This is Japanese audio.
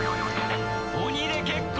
鬼で結構！